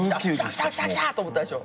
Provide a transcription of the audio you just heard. きたきたきたと思ったでしょ。